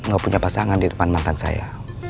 gak punya pasangan di depan mantan saya